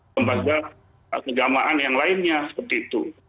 lembaga keagamaan yang lainnya seperti itu